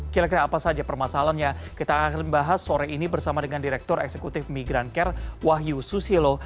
kira kira apa saja permasalahannya kita akan bahas sore ini bersama dengan direktur eksekutif migran care wahyu susilo